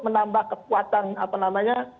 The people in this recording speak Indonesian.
menambah kekuatan apa namanya